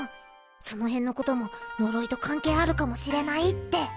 そのへんのことも呪いと関係あるかもしれないって。